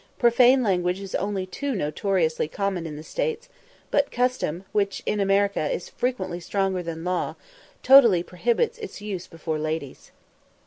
Profane language is only too notoriously common in the States, but custom, which in America is frequently stronger than law, totally prohibits its use before ladies.